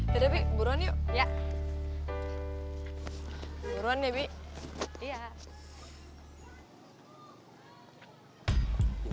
ya udah bi buruan yuk